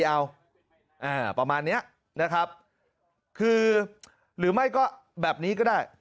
เอาประมาณเนี้ยนะครับคือหรือไม่ก็แบบนี้ก็ได้